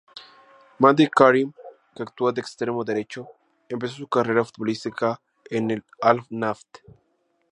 Mahdi Karim, que actúa de extremo derecho, empezó su carrera futbolística en el Al-Naft.